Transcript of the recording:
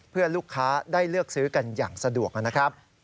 เพื่อลูกค้าได้เลือกซื้อกันอย่างสะดวกนะครับ